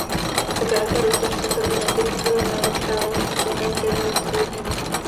Po krátké roztržce se Benedict neočekávaně ocitne v Dannyho světě.